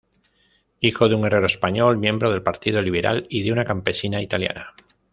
Hijo de un herrero español, miembro del Partido Liberal, y de una campesina italiana.